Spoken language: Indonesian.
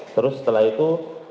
terus setelah itu